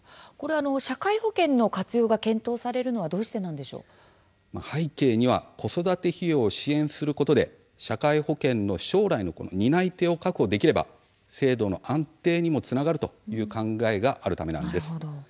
社会保険の活用が検討されるのは背景には子育て費用を支援することで社会保険の将来の担い手を確保できれば制度の安定にもつながるという考えがあるからなんです。